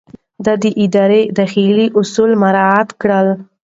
ده د ادارې داخلي اصول مراعات کړل.